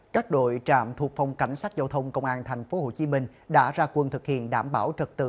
các đội trạm thuộc phòng cảnh sát giao thông công an tp hcm đã ra quân thực hiện đảm bảo trật tự